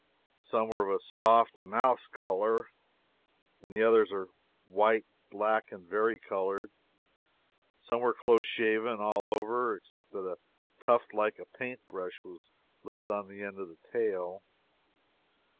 Some were of a soft mouse color, and the others were white, black, and vari colored. Some were close shaven, all over, except that a tuft like a paint brush was left on the end of the tail.